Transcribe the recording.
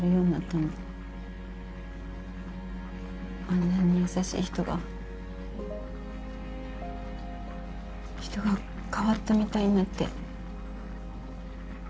あんなに優しい人が人が変わったみたいになって。